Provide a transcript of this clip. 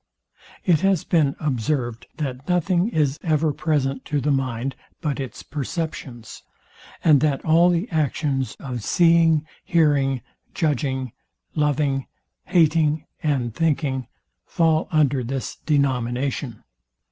It has been observed, that nothing is ever present to the mind but its perceptions; and that all the actions of seeing, hearing, judging, loving, hating, and thinking, fall under this denomination.